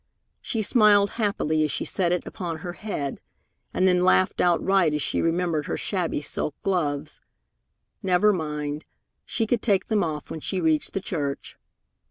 She smiled happily as she set it upon her head, and then laughed outright as she remembered her shabby silk gloves. Never mind. She could take them off when she reached the church.